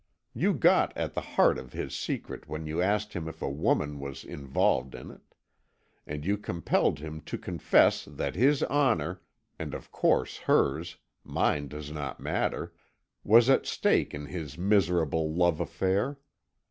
You got at the heart of his secret when you asked him if a woman was involved in it; and you compelled him to confess that his honour and of course hers; mine does not matter was at stake in his miserable love affair.